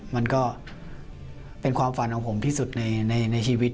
มันก็เป็นความฝันของผมที่สุดในชีวิต